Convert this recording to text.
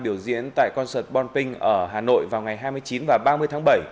biểu diễn tại concert bonping ở hà nội vào ngày hai mươi chín và ba mươi tháng bảy